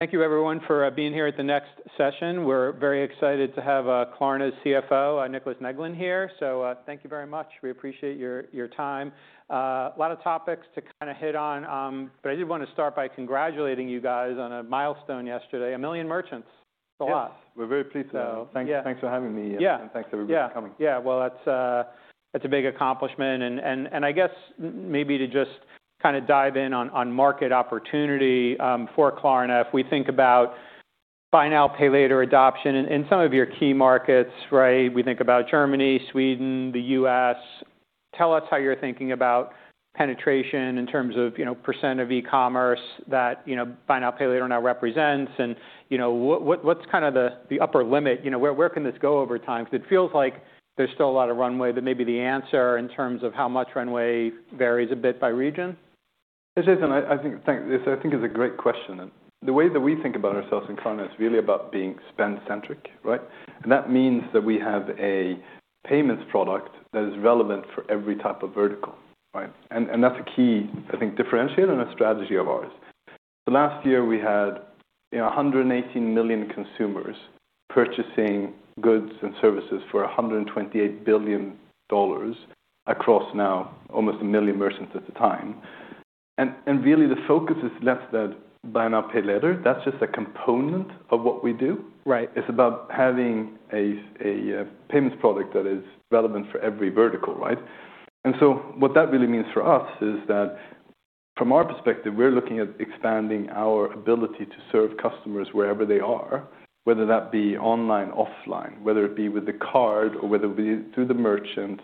Thank you everyone for being here at the next session. We're very excited to have Klarna's CFO, Niclas Neglén here. Thank you very much. We appreciate your time. A lot of topics to kinda hit on, but I did wanna start by congratulating you guys on a milestone yesterday, 1 million merchants. It's a lot. Yes. We're very pleased with that. Yeah. Thanks for having me. Yeah. Thanks everybody for coming. Yeah. Yeah. Well, that's a big accomplishment. I guess maybe to just kinda dive in on market opportunity for Klarna. If we think about Buy Now, Pay Later adoption in some of your key markets, right? We think about Germany, Sweden, the U.S. Tell us how you're thinking about penetration in terms of, you know, percent of e-commerce that, you know, Buy Now, Pay Later now represents. You know, what's kinda the upper limit? You know, where can this go over time? 'Cause it feels like there's still a lot of runway, but maybe the answer in terms of how much runway varies a bit by region. I think this is a great question. The way that we think about ourselves in Klarna is really about being spend-centric, right? That means that we have a payments product that is relevant for every type of vertical, right? That's a key, I think, differentiator and a strategy of ours. Last year we had, you know, 118 million consumers purchasing goods and services for $128 billion across now almost 1 million merchants at the time. Really the focus is less that Buy Now, Pay Later. That's just a component of what we do. Right. It's about having a payments product that is relevant for every vertical, right? What that really means for us is that from our perspective, we are looking at expanding our ability to serve customers wherever they are, whether that be online, offline, whether it be with the card or whether it be through the merchant,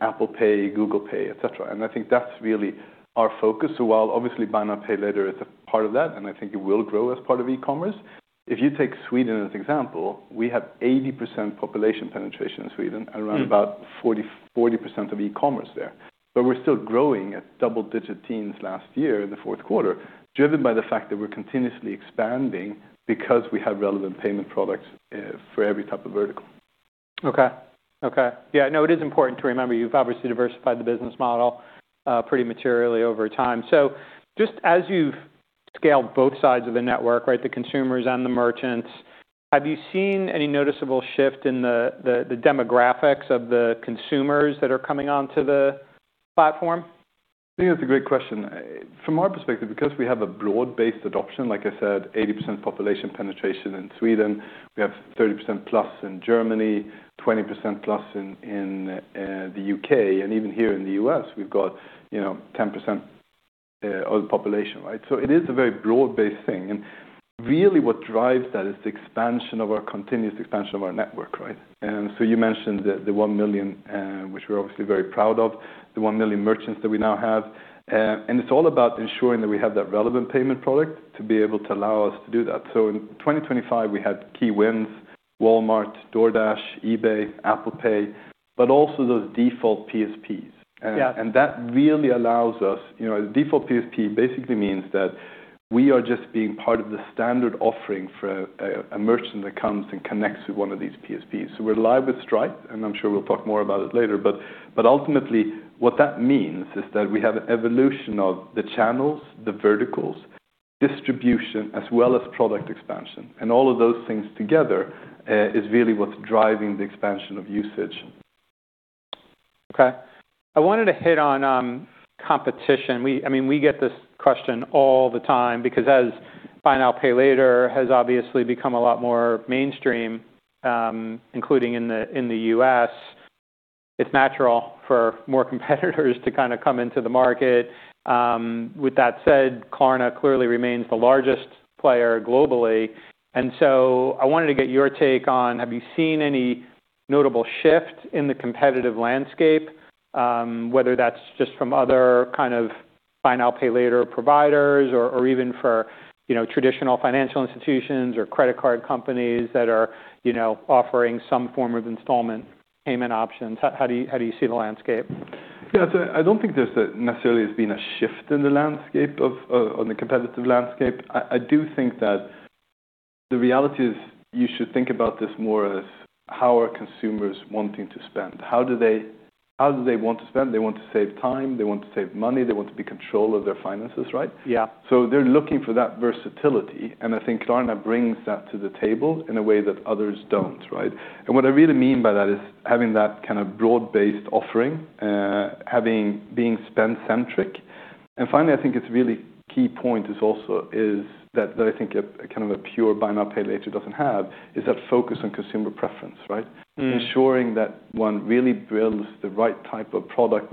Apple Pay, Google Pay, et cetera. I think that's really our focus. While obviously Buy Now, Pay Later is a part of that, and I think it will grow as part of e-commerce. If you take Sweden as example, we have 80% population penetration in Sweden around about 40% of e-commerce there. We're still growing at double-digit teens last year in the fourth quarter, driven by the fact that we're continuously expanding because we have relevant payment products for every type of vertical. Okay. Okay. Yeah, no, it is important to remember you've obviously diversified the business model pretty materially over time. Just as you've scaled both sides of the network, right? The consumers and the merchants, have you seen any noticeable shift in the demographics of the consumers that are coming onto the platform? I think that's a great question. From our perspective, because we have a broad-based adoption, like I said, 80% population penetration in Sweden. We have 30% plus in Germany, 20% plus in the U.K., and even here in the U.S. we've got, you know, 10% of the population, right? So it is a very broad-based thing. Really what drives that is the continuous expansion of our network, right? You mentioned the 1 million, which we're obviously very proud of, the 1 million merchants that we now have. It's all about ensuring that we have that relevant payment product to be able to allow us to do that. In 2025 we had key wins, Walmart, DoorDash, eBay, Apple Pay, but also those default PSPs. Yeah. That really allows us. You know, default PSP basically means that we are just being part of the standard offering for a merchant that comes and connects with one of these PSPs. We're live with Stripe, and I'm sure we'll talk more about it later. Ultimately what that means is that we have an evolution of the channels, the verticals, distribution, as well as product expansion. All of those things together is really what's driving the expansion of usage. Okay. I wanted to hit on competition. I mean, we get this question all the time because as Buy Now, Pay Later has obviously become a lot more mainstream, including in the U.S. It's natural for more competitors to kinda come into the market. With that said, Klarna clearly remains the largest player globally. I wanted to get your take on, have you seen any notable shift in the competitive landscape? Whether that's just from other kind of Buy Now, Pay Later providers or even for, you know, traditional financial institutions or credit card companies that are, you know, offering some form of installment payment options. How do you see the landscape? Yeah. I don't think there has necessarily been a shift in the landscape of the competitive landscape. I do think that the reality is you should think about this more as how are consumers wanting to spend. How do they want to spend? They want to save time, they want to save money, they want to be in control of their finances, right? Yeah. They're looking for that versatility, and I think Klarna brings that to the table in a way that others don't, right? What I really mean by that is having that kind of broad-based offering, being spend-centric. Finally, I think it's really key point is that I think kind of a pure Buy Now, Pay Later doesn't have is that focus on consumer preference, right? Mm. Ensuring that one really builds the right type of product,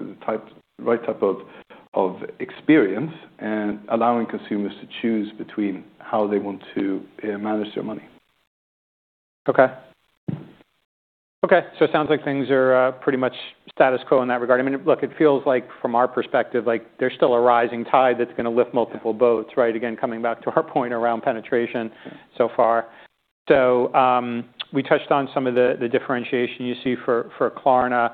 right type of experience and allowing consumers to choose between how they want to manage their money. It sounds like things are pretty much status quo in that regard. I mean, look, it feels like from our perspective, like there's still a rising tide that's gonna lift multiple boats, right? Again, coming back to our point around penetration so far. We touched on some of the differentiation you see for Klarna.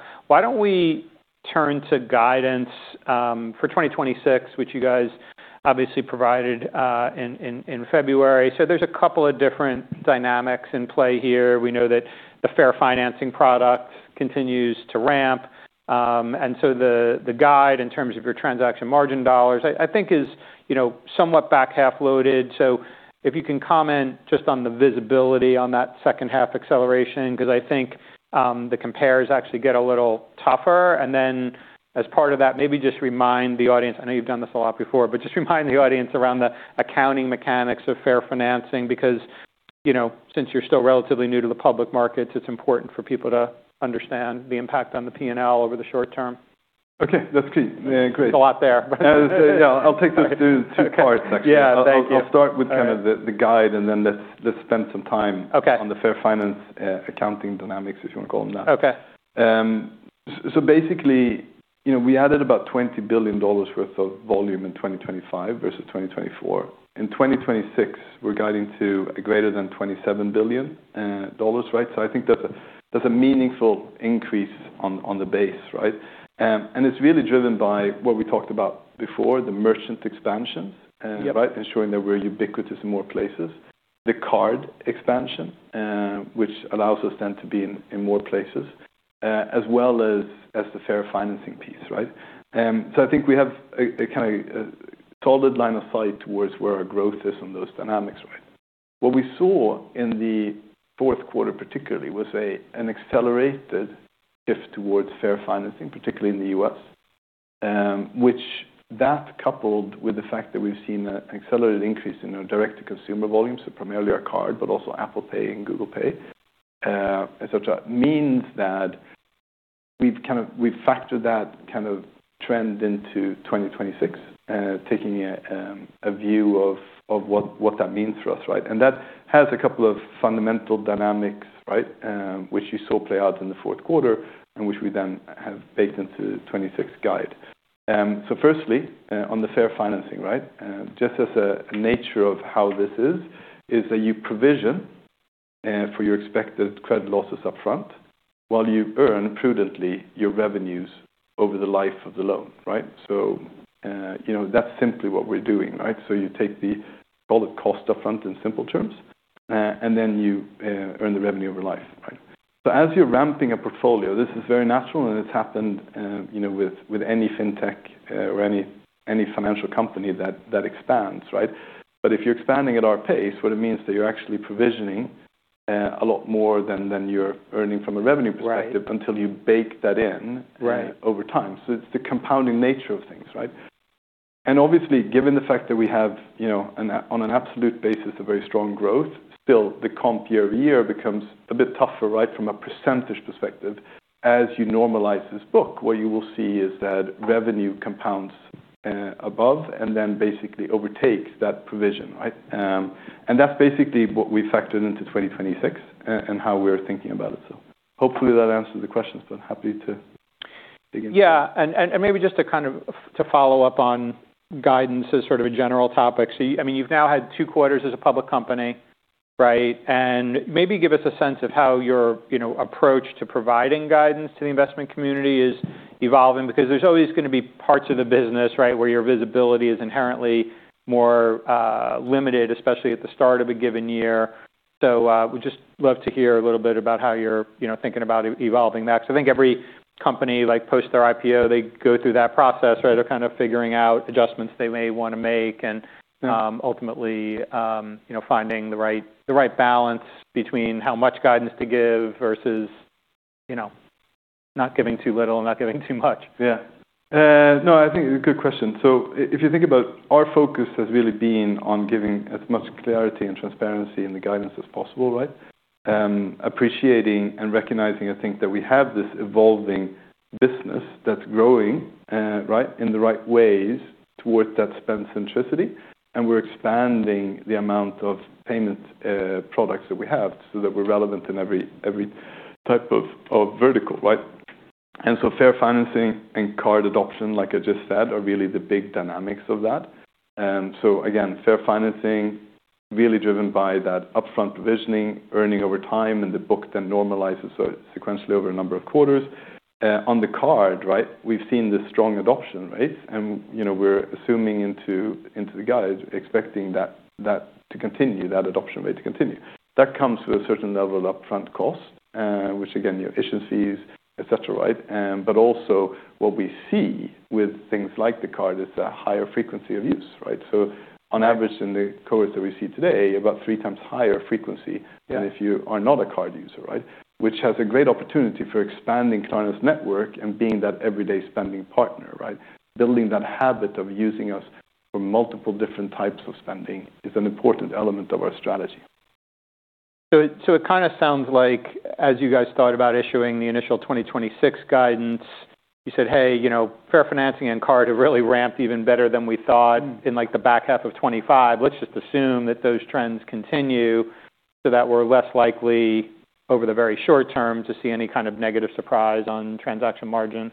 Turn to guidance for 2026, which you guys obviously provided in February. There's a couple of different dynamics in play here. We know that the Fair Financing product continues to ramp. The guide in terms of your transaction margin dollars I think is somewhat back half loaded. If you can comment just on the visibility on that second half acceleration, 'cause I think the compares actually get a little tougher. As part of that, maybe just remind the audience. I know you've done this a lot before, but just remind the audience around the accounting mechanics of Fair Financing, because, you know, since you're still relatively new to the public markets, it's important for people to understand the impact on the P&L over the short term. Okay, that's key. Yeah, great. There's a lot there. Yeah. I'll take those two parts actually. Yeah. Thank you. I'll start with kind of the guide and then let's spend some time. Okay On the Fair Financing, accounting dynamics, if you wanna call them that. Okay. Basically, you know, we added about $20 billion worth of volume in 2025 versus 2024. In 2026, we're guiding to greater than $27 billion, right? I think that's a meaningful increase on the base, right? It's really driven by what we talked about before, the merchant expansion and Yep. Right? Ensuring that we're ubiquitous in more places. The card expansion, which allows us then to be in more places, as well as the Fair Financing piece, right? I think we have a kind of solid line of sight towards where our growth is on those dynamics, right? What we saw in the fourth quarter particularly was an accelerated shift towards Fair Financing, particularly in the U.S. Which that coupled with the fact that we've seen an accelerated increase in our direct-to-consumer volumes, so primarily our card, but also Apple Pay and Google Pay, etc., means that we've factored that kind of trend into 2026, taking a view of what that means for us, right? That has a couple of fundamental dynamics, right? Which you saw play out in the fourth quarter, and which we then have baked into 2026 guide. Firstly, on the Fair Financing, right? Just as a nature of how this is, that you provision for your expected credit losses upfront while you earn prudently your revenues over the life of the loan, right? You know, that's simply what we're doing, right? You take the total cost upfront in simple terms, and then you earn the revenue over life, right? As you're ramping a portfolio, this is very natural, and it's happened, you know, with any fintech or any financial company that expands, right? If you're expanding at our pace, what it means that you're actually provisioning a lot more than you're earning from a revenue perspective. Right until you bake that in. Right Over time, it's the compounding nature of things, right? Obviously, given the fact that we have, you know, on an absolute basis, a very strong growth, still the comp year-over-year becomes a bit tougher, right? From a percentage perspective. As you normalize this book, what you will see is that revenue compounds above and then basically overtakes that provision, right? That's basically what we factored into 2026 and how we're thinking about it. Hopefully that answers the question. Happy to dig in. Maybe just to kind of to follow up on guidance as sort of a general topic. I mean, you've now had two quarters as a public company, right? Maybe give us a sense of how your, you know, approach to providing guidance to the investment community is evolving, because there's always gonna be parts of the business, right? Where your visibility is inherently more limited, especially at the start of a given year. We'd just love to hear a little bit about how you're, you know, thinking about evolving that. 'Cause I think every company, like post their IPO, they go through that process, right? They're kind of figuring out adjustments they may wanna make and, ultimately, you know, finding the right balance between how much guidance to give versus, you know, not giving too little and not giving too much. Yeah. No, I think a good question. If you think about our focus has really been on giving as much clarity and transparency in the guidance as possible, right? Appreciating and recognizing, I think, that we have this evolving business that's growing right, in the right ways towards that spend-centricity, and we're expanding the amount of payment products that we have so that we're relevant in every type of vertical, right? Fair Financing and card adoption, like I just said, are really the big dynamics of that. Again, Fair Financing really driven by that upfront provisioning, earning over time, and the book then normalizes sequentially over a number of quarters. On the card, right, we've seen this strong adoption rate and, you know, we're assuming into the guide, expecting that to continue, that adoption rate to continue. That comes with a certain level of upfront cost, which again, your efficiencies, etc., right? Also what we see with things like the card is a higher frequency of use, right? On average in the cohorts that we see today, about three times higher frequency. Yeah than if you are not a card user, right? Which has a great opportunity for expanding Klarna's network and being that everyday spending partner, right? Building that habit of using us for multiple different types of spending is an important element of our strategy. It kinda sounds like as you guys thought about issuing the initial 2026 guidance, you said, "Hey, you know, Fair Financing and card have really ramped even better than we thought in like the back half of 2025. Let's just assume that those trends continue so that we're less likely over the very short term to see any kind of negative surprise on transaction margin.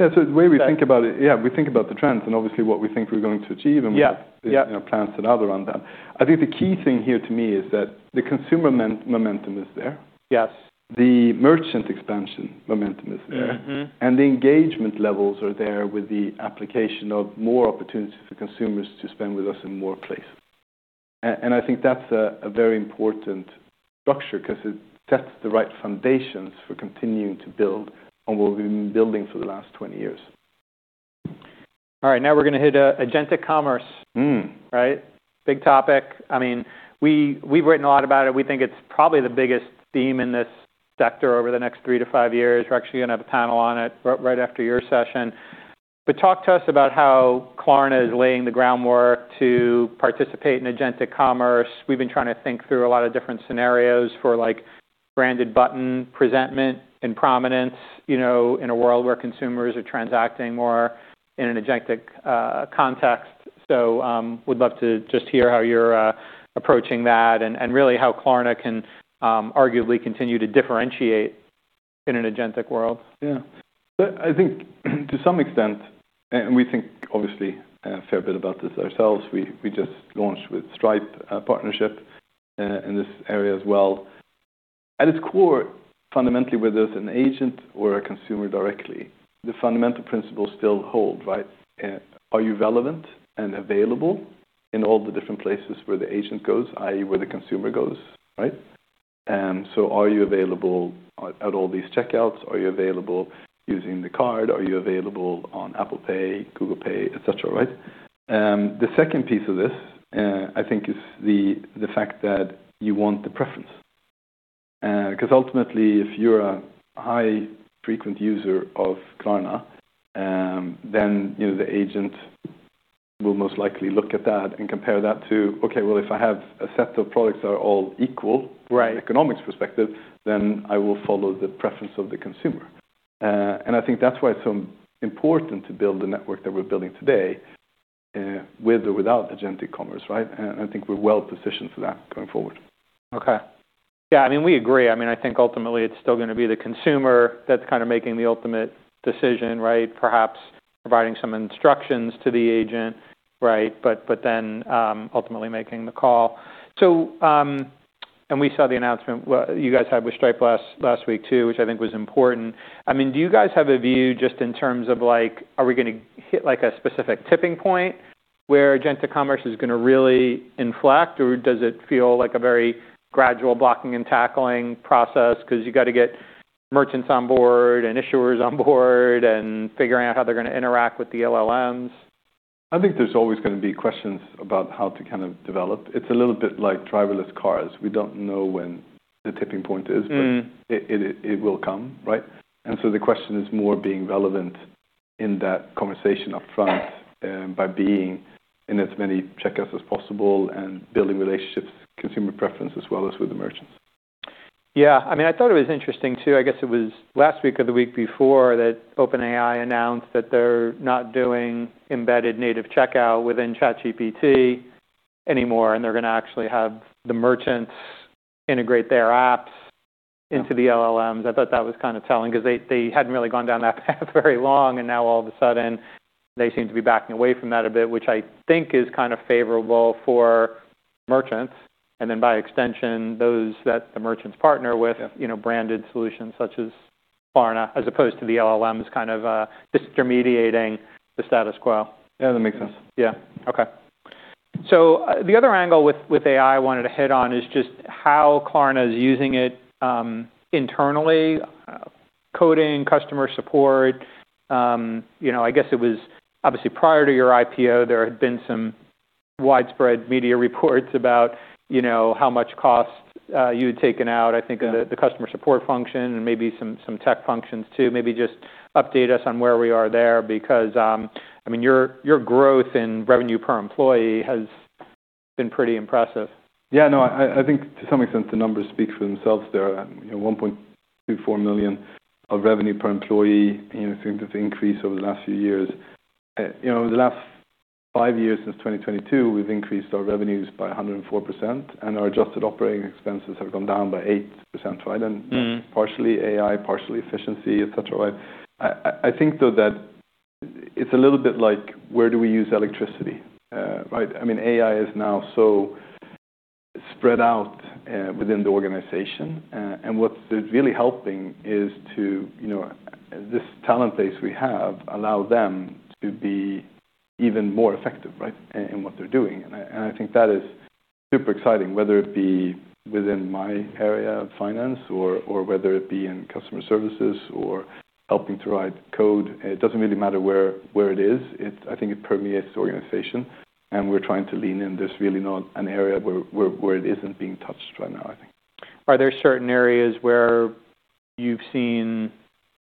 Yeah. The way we think about it, yeah, we think about the trends and obviously what we think we're going to achieve. Yeah, yeah We have, you know, plans and other on that. I think the key thing here to me is that the consumer momentum is there. Yes. The merchant expansion momentum is there. Mm-hmm. The engagement levels are there with the application of more opportunities for consumers to spend with us in more places. I think that's a very important structure 'cause it sets the right foundations for continuing to build on what we've been building for the last 20 years. All right, now we're gonna hit agentic commerce. Mm. Right? Big topic. I mean, we've written a lot about it. We think it's probably the biggest theme in this sector over the next 3-5 years. We're actually gonna have a panel on it right after your session. Talk to us about how Klarna is laying the groundwork to participate in agentic commerce. We've been trying to think through a lot of different scenarios for, like, branded button presentment and prominence, you know, in a world where consumers are transacting more in an agentic context. Would love to just hear how you're approaching that and really how Klarna can arguably continue to differentiate in an agentic world. I think to some extent, and we think obviously a fair bit about this ourselves, we just launched with Stripe, a partnership, in this area as well. At its core, fundamentally, whether it's an agent or a consumer directly, the fundamental principles still hold, right? Are you relevant and available in all the different places where the agent goes, i.e., where the consumer goes, right? Are you available at all these checkouts? Are you available using the card? Are you available on Apple Pay, Google Pay, et cetera, right? The second piece of this, I think is the fact that you want the preference. 'Cause ultimately, if you're a high frequent user of Klarna, then, you know, the agent will most likely look at that and compare that to, okay, well, if I have a set of products that are all equal- Right from an economics perspective, then I will follow the preference of the consumer. I think that's why it's so important to build the network that we're building today, with or without agentic commerce, right? I think we're well-positioned for that going forward. Okay. Yeah, I mean, we agree. I mean, I think ultimately it's still gonna be the consumer that's kinda making the ultimate decision, right? Perhaps providing some instructions to the agent, right? But then ultimately making the call. We saw the announcement you guys had with Stripe last week too, which I think was important. I mean, do you guys have a view just in terms of like, are we gonna hit like a specific tipping point where agentic commerce is gonna really inflect, or does it feel like a very gradual blocking and tackling process 'cause you gotta get merchants on board and issuers on board and figuring out how they're gonna interact with the LLMs? I think there's always gonna be questions about how to kind of develop. It's a little bit like driverless cars. We don't know when the tipping point is. Mm It will come, right? The question is more being relevant in that conversation up front, by being in as many checkouts as possible and building relationships, consumer preference, as well as with the merchants. Yeah. I mean, I thought it was interesting too, I guess it was last week or the week before that OpenAI announced that they're not doing embedded native checkout within ChatGPT anymore, and they're gonna actually have the merchants integrate their apps into the LLMs. I thought that was kind of telling 'cause they hadn't really gone down that path very long, and now all of a sudden they seem to be backing away from that a bit, which I think is kind of favorable for merchants, and then by extension, those that the merchants partner with. Yeah You know, branded solutions such as Klarna, as opposed to the LLMs kind of intermediating the status quo. Yeah, that makes sense. The other angle with AI I wanted to hit on is just how Klarna is using it internally, coding, customer support. You know, I guess it was obviously prior to your IPO, there had been some widespread media reports about, you know, how much cost you had taken out, I think. Yeah The customer support function and maybe some tech functions too. Maybe just update us on where we are there because I mean, your growth in revenue per employee has been pretty impressive. Yeah, no, I think to some extent the numbers speak for themselves there. You know, 1.24 million of revenue per employee, you know, seems to increase over the last few years. You know, the last five years, since 2022, we've increased our revenues by 104%, and our adjusted operating expenses have gone down by 8%, right? Mm-hmm Partially AI, partially efficiency, et cetera, right? I think, though, that it's a little bit like where do we use electricity, right? I mean, AI is now so spread out within the organization. What it's really helping is to, you know, this talent base we have allow them to be even more effective, right, in what they're doing. I think that is super exciting, whether it be within my area of finance or whether it be in customer services or helping to write code. It doesn't really matter where it is. I think it permeates the organization, and we're trying to lean in. There's really not an area where it isn't being touched right now, I think. Are there certain areas where you've seen,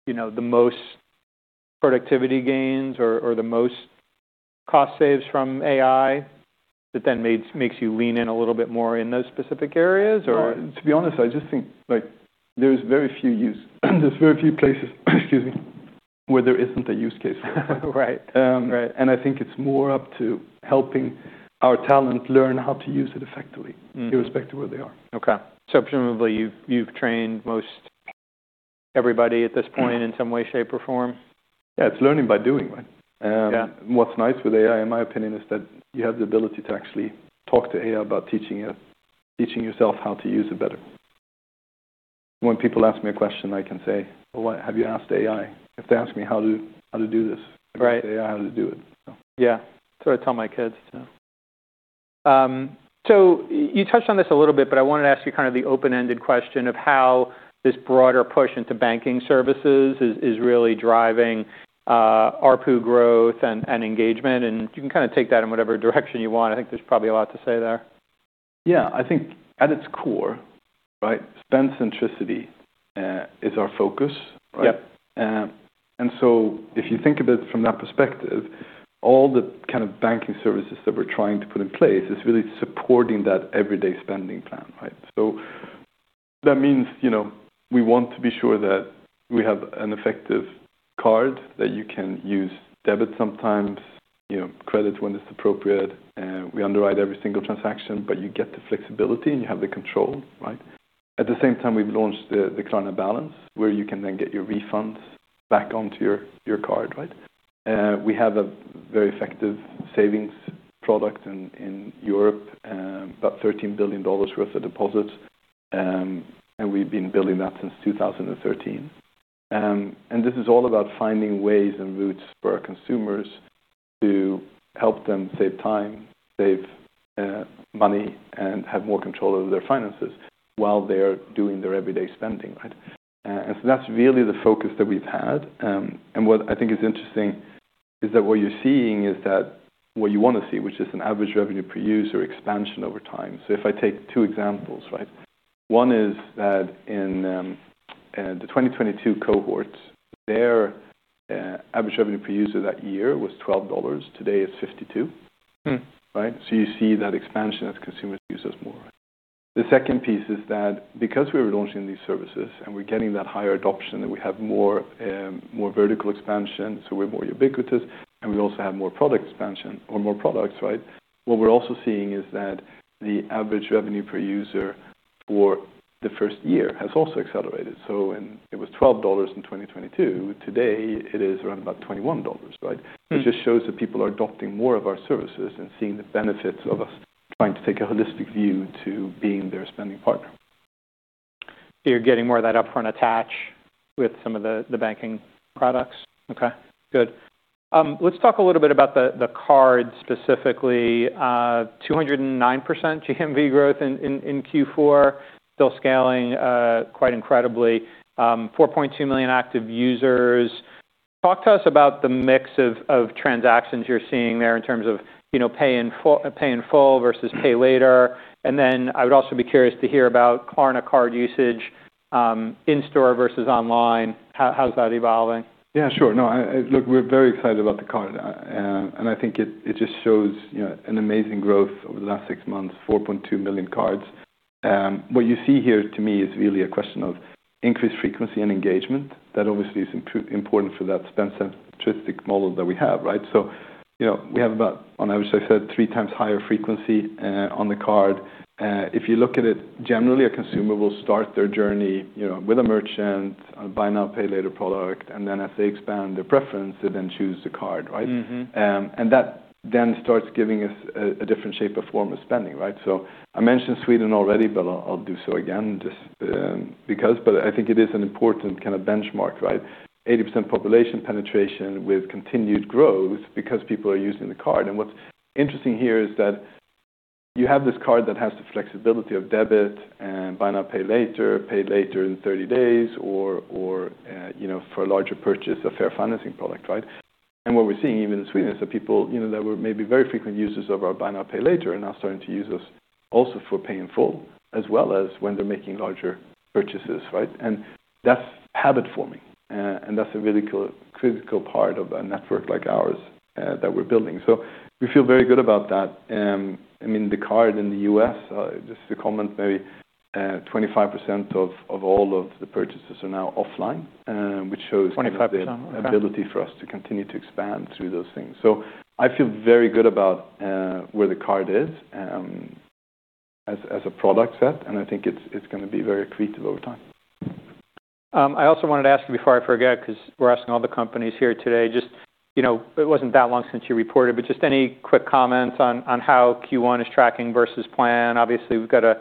you know, the most productivity gains or the most cost saves from AI that then makes you lean in a little bit more in those specific areas or? No, to be honest, I just think, like, there's very few places, excuse me, where there isn't a use case for it. Right. Right. I think it's more up to helping our talent learn how to use it effectively. Mm-hmm Irrespective of where they are. Okay. Presumably you've trained most everybody at this point in some way, shape, or form. Yeah, it's learning by doing, right? Yeah. What's nice with AI, in my opinion, is that you have the ability to actually talk to AI about teaching yourself how to use it better. When people ask me a question, I can say, "Well, why have you asked AI?" If they ask me how to do this. Right. Ask AI how to do it. Yeah. That's what I tell my kids, so. You touched on this a little bit, but I wanted to ask you kind of the open-ended question of how this broader push into banking services is really driving ARPU growth and engagement, and you can kinda take that in whatever direction you want. I think there's probably a lot to say there. Yeah. I think at its core, right, spend-centricity is our focus, right? Yep. If you think of it from that perspective, all the kind of banking services that we're trying to put in place is really supporting that everyday spending plan, right? That means, you know, we want to be sure that we have an effective card that you can use debit sometimes, you know, credit when it's appropriate, we underwrite every single transaction, but you get the flexibility, and you have the control, right? At the same time, we've launched the Klarna Balance, where you can then get your refunds back onto your card, right? We have a very effective savings product in Europe, about $13 billion worth of deposits, and we've been building that since 2013. This is all about finding ways and routes for our consumers to help them save time, money, and have more control over their finances while they're doing their everyday spending, right? That's really the focus that we've had. What I think is interesting is that what you're seeing is that what you wanna see, which is an average revenue per user expansion over time. If I take two examples, right? One is that in the 2022 cohort, their average revenue per user that year was $12. Today, it's $52. Hmm. Right? You see that expansion as consumers use us more. The second piece is that because we're launching these services and we're getting that higher adoption, that we have more vertical expansion, so we're more ubiquitous, and we also have more product expansion or more products, right? What we're also seeing is that the average revenue per user for the first year has also accelerated. When it was $12 in 2022, today it is around about $21, right? Mm-hmm. It just shows that people are adopting more of our services and seeing the benefits of us trying to take a holistic view to being their spending partner. You're getting more of that upfront attach with some of the banking products. Okay, good. Let's talk a little bit about the card specifically. Two hundred and nine percent GMV growth in Q4. Still scaling quite incredibly. Four point two million active users. Talk to us about the mix of transactions you're seeing there in terms of, you know, pay in full versus pay later. Then I would also be curious to hear about Klarna card usage in-store versus online. How's that evolving? Look, we're very excited about the card. I think it just shows, you know, an amazing growth over the last six months, 4.2 million cards. What you see here to me is really a question of increased frequency and engagement. That obviously is important for that spend-centric model that we have, right? You know, we have about, on average, like I said, three times higher frequency on the card. If you look at it, generally, a consumer will start their journey, you know, with a merchant, a buy now, pay later product, and then as they expand their preference, they then choose the card, right? Mm-hmm. That then starts giving us a different shape or form of spending, right? I mentioned Sweden already, but I'll do so again just because I think it is an important kind of benchmark, right? 80% population penetration with continued growth because people are using the card. What's interesting here is that you have this card that has the flexibility of debit and Buy Now, Pay Later, pay later in 30 days or, you know, for a larger purchase, a Fair Financing product, right? What we're seeing even in Sweden is that people, you know, that were maybe very frequent users of our Buy Now, Pay Later are now starting to use us also for pay in full, as well as when they're making larger purchases, right? That's habit-forming. That's a really critical part of a network like ours that we're building. We feel very good about that. I mean, the card in the U.S., just to comment very, 25% of all of the purchases are now offline, which shows- 25%. Okay. The ability for us to continue to expand through those things. I feel very good about where the card is as a product set, and I think it's gonna be very accretive over time. I also wanted to ask you before I forget, 'cause we're asking all the companies here today, just, you know, it wasn't that long since you reported, but just any quick comments on how Q1 is tracking versus plan. Obviously, we've got a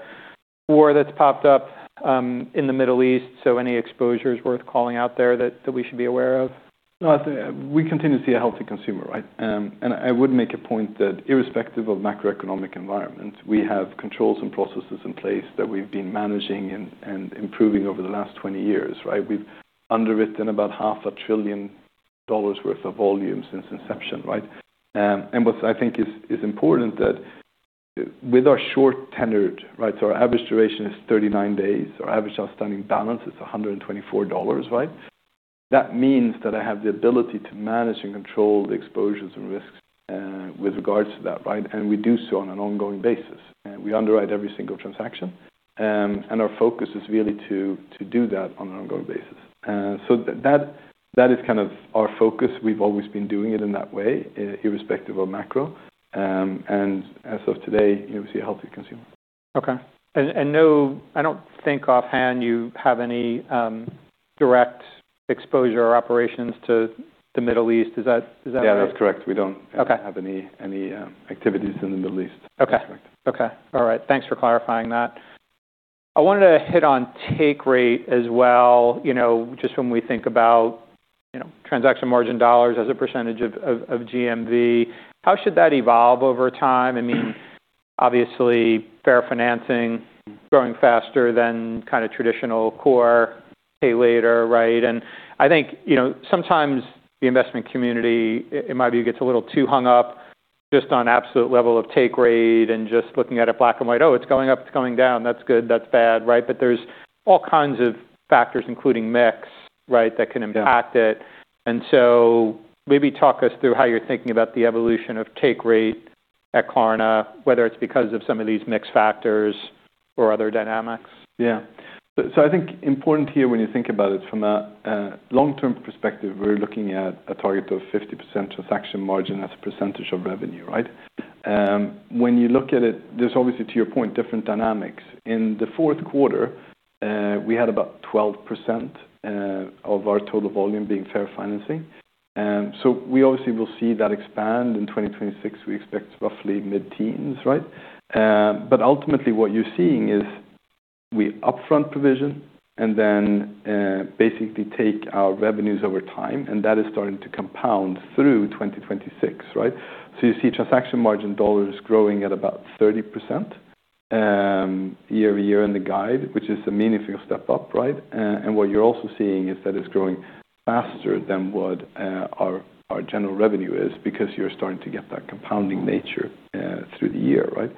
war that's popped up in the Middle East, so any exposures worth calling out there that we should be aware of? No. We continue to see a healthy consumer, right? I would make a point that irrespective of macroeconomic environment, we have controls and processes in place that we've been managing and improving over the last 20 years, right? We've underwritten about half a trillion dollars worth of volume since inception, right? What I think is important that with our short tenor, right, so our average duration is 39 days. Our average outstanding balance is $124, right? That means that I have the ability to manage and control the exposures and risks with regards to that, right? We do so on an ongoing basis. We underwrite every single transaction. Our focus is really to do that on an ongoing basis. That is kind of our focus. We've always been doing it in that way, irrespective of macro. As of today, you know, we see a healthy consumer. Okay. I don't think offhand you have any direct exposure or operations to the Middle East. Is that right? Yeah, that's correct. Okay. Don't have any activities in the Middle East. Okay. All right. Thanks for clarifying that. I wanted to hit on take rate as well, you know, just when we think about, you know, transaction margin dollars as a percentage of GMV. How should that evolve over time? I mean, obviously, Fair Financing growing faster than kinda traditional core pay later, right? I think, you know, sometimes the investment community, in my view, gets a little too hung up just on absolute level of take rate and just looking at it black and white. Oh, it's going up, it's going down. That's good, that's bad, right? There's all kinds of factors, including mix, right, that can impact it. Yeah. Maybe talk us through how you're thinking about the evolution of take rate at Klarna, whether it's because of some of these mix factors or other dynamics? I think it's important here when you think about it from a long-term perspective. We're looking at a target of 50% transaction margin as a percentage of revenue, right? When you look at it, there's obviously, to your point, different dynamics. In the fourth quarter, we had about 12% of our total volume being Fair Financing. We obviously will see that expand. In 2026, we expect roughly mid-teens %, right? Ultimately, what you're seeing is we upfront provision and then basically take our revenues over time, and that is starting to compound through 2026, right? You see transaction margin dollars growing at about 30% year-over-year in the guide, which is a meaningful step up, right? What you're also seeing is that it's growing faster than what our general revenue is because you're starting to get that compounding nature through the year, right?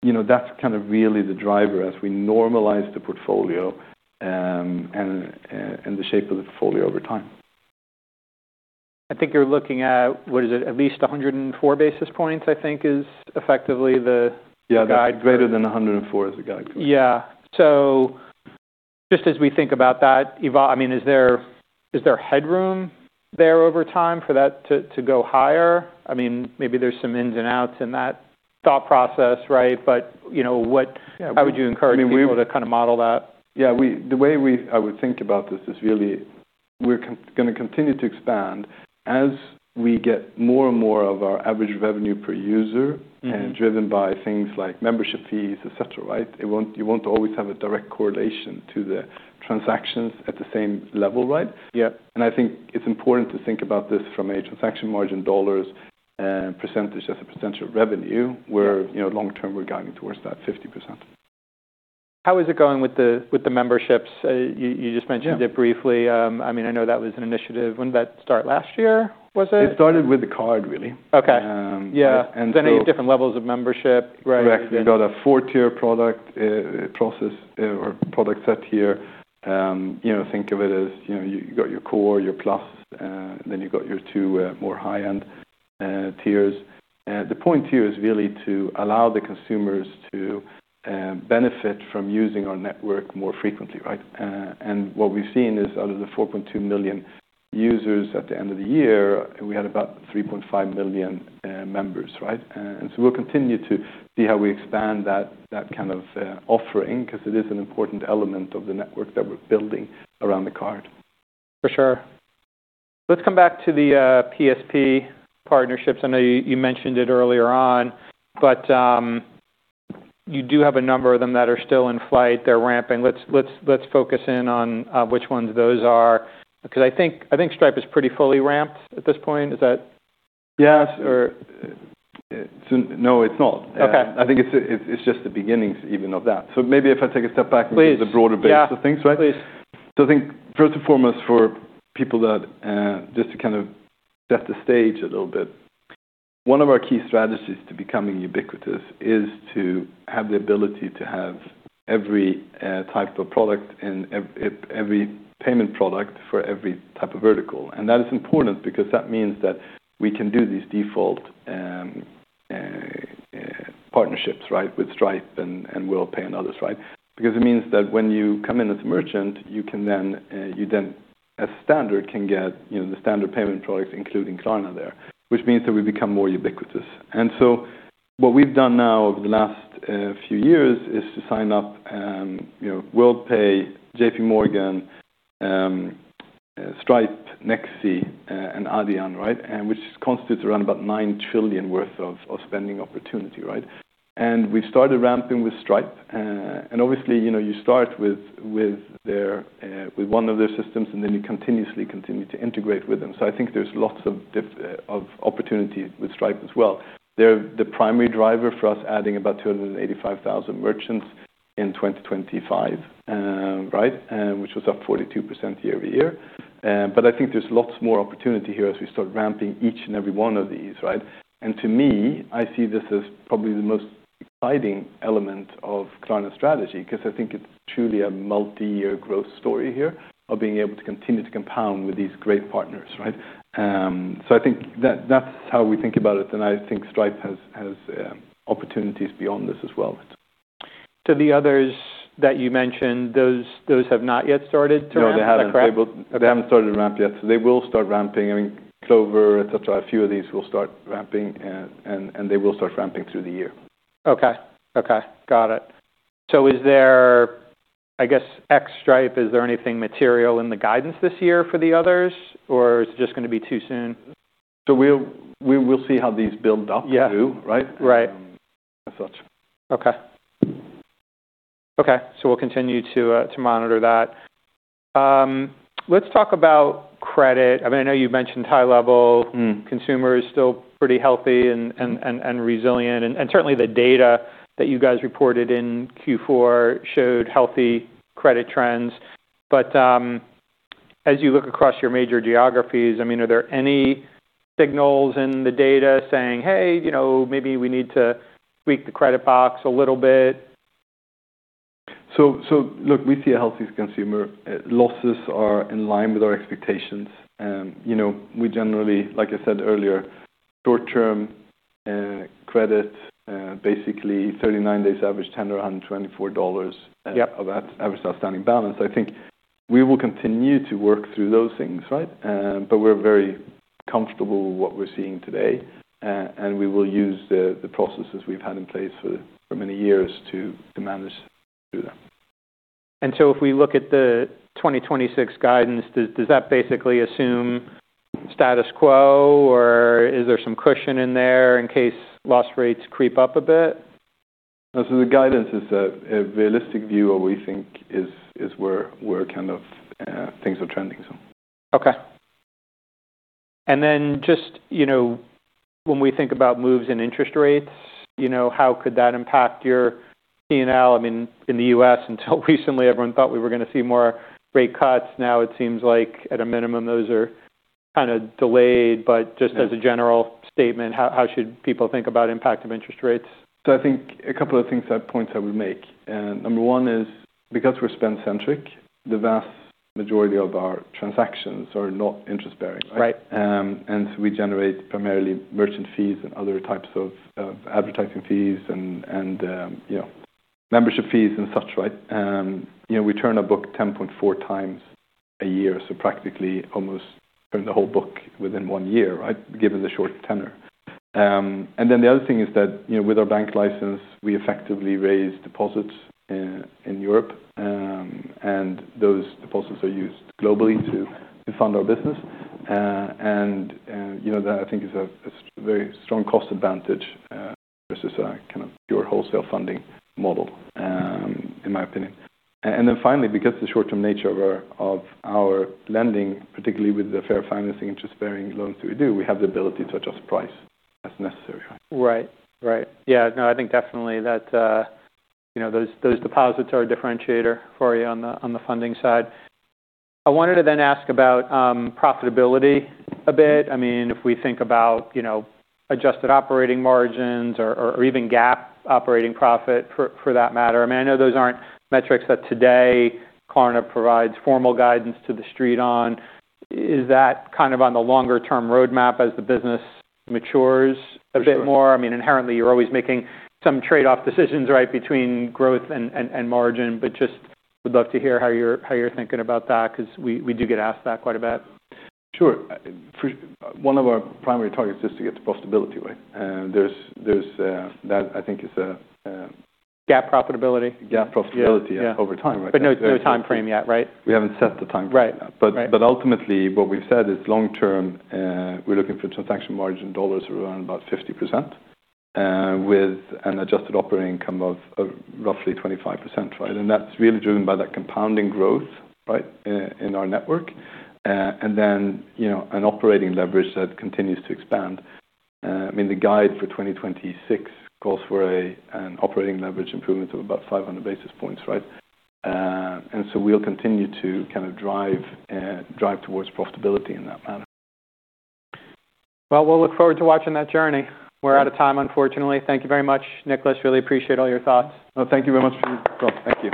You know, that's kind of really the driver as we normalize the portfolio, and the shape of the portfolio over time. I think you're looking at, what is it? At least 104 basis points, I think is effectively the guide. Yeah. Greater than 104 is the guide. Yeah. Just as we think about that, I mean, is there headroom there over time for that to go higher? I mean, maybe there's some ins and outs in that thought process, right? You know, what Yeah. How would you encourage people to kinda model that? Yeah. I would think about this is really we're gonna continue to expand as we get more and more of our average revenue per user- Mm-hmm. driven by things like membership fees, et cetera, right? You won't always have a direct correlation to the transactions at the same level, right? Yeah. I think it's important to think about this from a transaction margin dollars and percentage as a percentage of revenue, where, you know, long term, we're guiding towards that 50%. How is it going with the memberships? You just mentioned it briefly. I mean, I know that was an initiative. When did that start? Last year, was it? It started with the card, really. Okay. Um, and so- Yeah. There's many different levels of membership, right? Correct. You've got a 4-tier product process or product set here. You know, think of it as, you know, you got your core, your plus, then you got your 2 more high-end tiers. The point here is really to allow the consumers to benefit from using our network more frequently, right? What we've seen is out of the 4.2 million users at the end of the year, we had about 3.5 million members, right? We'll continue to see how we expand that kind of offering 'cause it is an important element of the network that we're building around the card. For sure. Let's come back to the PSP partnerships. I know you mentioned it earlier on, but you do have a number of them that are still in flight. They're ramping. Let's focus in on which ones those are, because I think Stripe is pretty fully ramped at this point. Is that? Yes. Or... No, it's not. Okay. I think it's just the beginnings even of that. Maybe if I take a step back. Please. into the broader base of things, right? Yeah. Please. I think first and foremost, for people that just to kind of set the stage a little bit, one of our key strategies to becoming ubiquitous is to have the ability to have every type of product and every payment product for every type of vertical. That is important because that means that we can do these default partnerships, right, with Stripe and Worldpay and others, right? Because it means that when you come in as a merchant, you can then as standard can get, you know, the standard payment products including Klarna there, which means that we become more ubiquitous. What we've done now over the last few years is to sign up, you know, Worldpay, JPMorgan, Stripe, Nexi, and Adyen, right? Which constitutes around about 9 trillion worth of spending opportunity, right? We started ramping with Stripe. Obviously, you know, you start with one of their systems, and then you continuously continue to integrate with them. I think there's lots of opportunities with Stripe as well. They're the primary driver for us adding about 285,000 merchants in 2025, which was up 42% year-over-year. I think there's lots more opportunity here as we start ramping each and every one of these, right? To me, I see this as probably the most exciting element of Klarna's strategy 'cause I think it's truly a multi-year growth story here of being able to continue to compound with these great partners, right? I think that's how we think about it, and I think Stripe has opportunities beyond this as well. The others that you mentioned, those have not yet started to ramp, is that correct? No, they haven't. They haven't started to ramp yet. They will start ramping. I mean, Clover, et cetera, a few of these will start ramping and they will start ramping through the year. Okay. Got it. I guess, ex Stripe, is there anything material in the guidance this year for the others, or is it just gonna be too soon? We'll see how these build up too, right? Yeah. Right. As such. Okay. We'll continue to monitor that. Let's talk about credit. I mean, I know you mentioned high level. Mm. Consumer is still pretty healthy and resilient. Certainly the data that you guys reported in Q4 showed healthy credit trends. As you look across your major geographies, I mean, are there any signals in the data saying, "Hey, you know, maybe we need to tweak the credit box a little bit"? Look, we see a healthy consumer. Losses are in line with our expectations. You know, we generally, like I said earlier, short-term credit, basically 39 days average tender on $24- Yeah of that average outstanding balance. I think we will continue to work through those things, right? We're very comfortable with what we're seeing today, and we will use the processes we've had in place for many years to manage through that. If we look at the 2026 guidance, does that basically assume status quo, or is there some cushion in there in case loss rates creep up a bit? The guidance is a realistic view of what we think is where kind of things are trending. Okay. Just, you know, when we think about moves in interest rates, you know, how could that impact your P&L? I mean, in the U.S. until recently, everyone thought we were gonna see more rate cuts. Now it seems like at a minimum, those are kinda delayed. Just as a general statement, how should people think about impact of interest rates? I think a couple of points I would make. Number one is because we're spend-centric, the vast majority of our transactions are not interest-bearing, right? Right. We generate primarily merchant fees and other types of advertising fees and you know, membership fees and such, right? You know, we turn a book 10.4 times a year, so practically almost turn the whole book within one year, right, given the short tenure. Then the other thing is that you know, with our bank license, we effectively raise deposits in Europe, and those deposits are used globally to fund our business. You know, that I think is a very strong cost advantage versus a kind of pure wholesale funding model, in my opinion. Then finally, because the short-term nature of our lending, particularly with the Fair Financing interest-bearing loans we do, we have the ability to adjust price as necessary. Right. Yeah, no, I think definitely that you know, those deposits are a differentiator for you on the funding side. I wanted to then ask about profitability a bit. I mean, if we think about you know, adjusted operating margins or even GAAP operating profit for that matter. I mean, I know those aren't metrics that today Klarna provides formal guidance to the street on. Is that kind of on the longer term roadmap as the business matures a bit more? Sure. I mean, inherently, you're always making some trade-off decisions, right, between growth and margin. Just would love to hear how you're thinking about that, 'cause we do get asked that quite a bit. Sure. One of our primary targets is to get to profitability, right? There's that I think is. GAAP profitability? GAAP profitability. Yeah. Yeah Over time, right? No, no timeframe yet, right? We haven't set the timeframe yet. Right. Right. Ultimately, what we've said is long term, we're looking for transaction margin dollars around about 50%, with an adjusted operating income of roughly 25%, right? That's really driven by that compounding growth, right, in our network. You know, an operating leverage that continues to expand. I mean, the guide for 2026 calls for an operating leverage improvement of about 500 basis points, right? We'll continue to kind of drive towards profitability in that manner. Well, we'll look forward to watching that journey. We're out of time, unfortunately. Thank you very much, Niclas. Really appreciate all your thoughts. No, thank you very much for the call. Thank you.